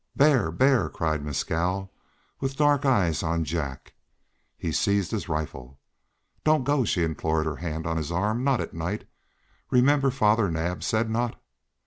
"Bear! Bear!" cried Mescal, with dark eyes on Jack. He seized his rifle. "Don't go," she implored, her hand on his arm. "Not at night remember Father Naab said not."